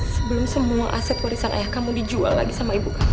sebelum semua aset warisan ayah kamu dijual lagi sama ibu kamu